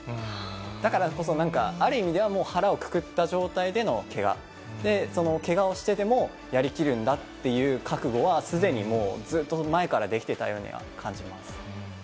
だからこそ、なんか、ある意味ではもう腹をくくった状態でのけがで、そのけがをしてでもやりきるんだっていう覚悟は、すでにもう、ずっと前からできてたようには感じます。